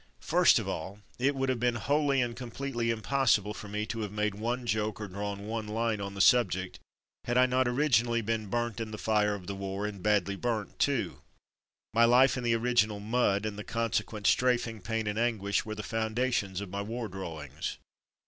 First of all, it would have been wholly and completely impossible for me to have made one joke or drawn one line on the subject, had I not originally been burnt in the fire of the war, and badly burnt, too. My life in the original mud, and the consequent strafing, pain, and anguish, were the foundations of my war drawings.